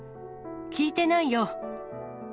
聞いてないよ！